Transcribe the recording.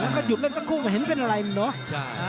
แล้วก็หยุดเล่นสักคู่เห็นเป็นอะไรเนอะ